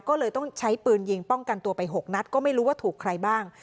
ก็เลยต้องใช้ปืนยิงป้องกันตัวไป๖นัดก็ไม่รู้ว่าถูกใครบ้าง